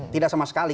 tidak sama sekali